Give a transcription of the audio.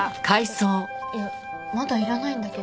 えっいやまだいらないんだけど。